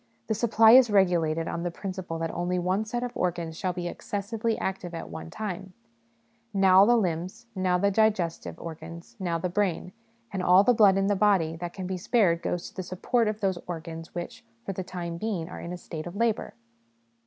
The supply is regulated on the principle that only one set of organs shall be excessively active at one time now the limbs, now the digestive organs, now the brain ; and all the blood in the body that can be spared goes to the support of those organs which, for the time being, are in a state of labour.